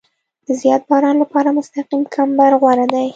د زیات باران لپاره مستقیم کمبر غوره دی